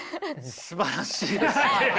すばらしいですね。